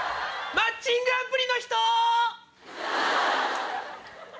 マッチングアプリの人！